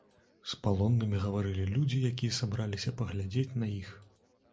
З палоннымі гаварылі людзі, якія сабраліся паглядзець на іх.